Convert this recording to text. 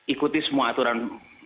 ikuti semua aturan